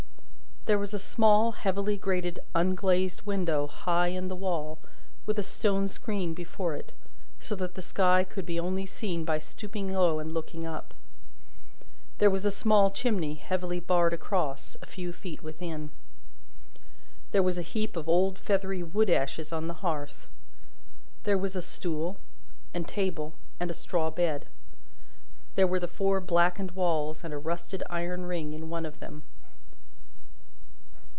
There was a small, heavily grated, unglazed window high in the wall, with a stone screen before it, so that the sky could be only seen by stooping low and looking up. There was a small chimney, heavily barred across, a few feet within. There was a heap of old feathery wood ashes on the hearth. There was a stool, and table, and a straw bed. There were the four blackened walls, and a rusted iron ring in one of them.